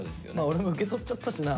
俺もう受け取っちゃったしな。